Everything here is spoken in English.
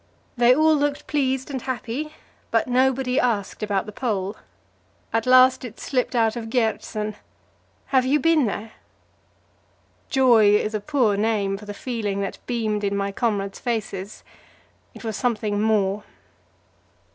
They all looked pleased and happy, but nobody asked about the Pole. At last it slipped out of Gjertsen: "Have you been there?" Joy is a poor name for the feeling that beamed in my comrades' faces; it was something more.